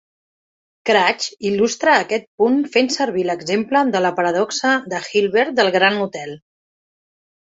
Craig il·lustra aquest punt fent servir l'exemple de la paradoxa de Hilbert del Grand Hotel.